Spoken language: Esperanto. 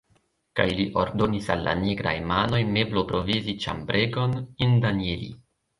Kaj li ordonis al la nigraj manoj mebloprovizi ĉambregon, indan je li.